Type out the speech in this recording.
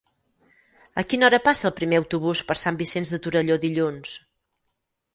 A quina hora passa el primer autobús per Sant Vicenç de Torelló dilluns?